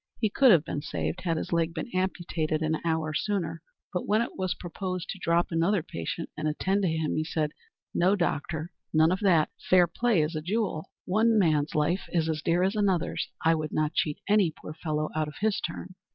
He could have been saved, had his leg been amputated an hour sooner; but when it was proposed to drop another patient and attend to him, he said, "No, Doctor, none of that; fair play is a jewel. One man's life is as dear as another's; I would not cheat any poor fellow out of his turn."